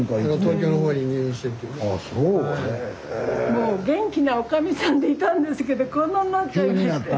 もう元気なおかみさんでいたんですけどこんなんなっちゃいまして。